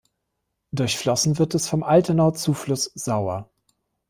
Durchflossen wird es vom Altenau-Zufluss Sauer.